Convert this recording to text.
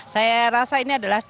saya rasa ini adalah